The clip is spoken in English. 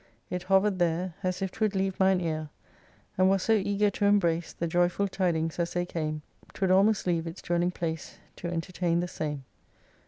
It hovered there, As if 'twould leave mine ear, And was so eager to embrace The joyful tidings as they came, 'Twould almost leave its dwelling place, To entertain the same.